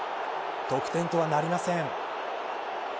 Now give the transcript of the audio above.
得点とはなりません。